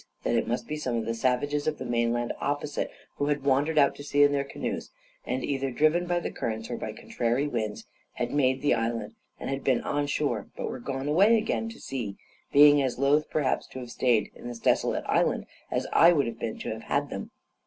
that it must be some of the savages of the mainland opposite who had wandered out to sea in their canoes, and, either driven by the currents or by contrary winds, had made the island, and had been on shore, but were gone away again to sea; being as loath, perhaps, to have stayed in this desolate island as I would have been to have had them.